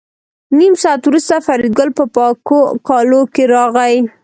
نیم ساعت وروسته فریدګل په پاکو کالو کې راغی